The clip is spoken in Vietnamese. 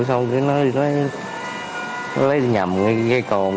xong rồi nó lấy nhầm ngay cây cồn